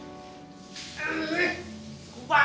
uang itu udah udah berhasil